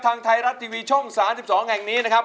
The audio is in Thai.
ทางไทยรัฐทีวีช่อง๓๒แห่งนี้นะครับ